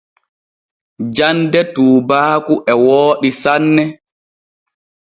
Jande tuubaaku e wooɗi sanne.